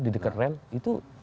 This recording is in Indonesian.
di dekat rel itu